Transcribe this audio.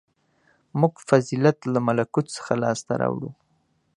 • موږ فضیلت له ملکوت څخه لاسته راوړو.